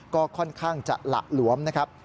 ก็ค่อนข้างจะหละหลวมนะครับ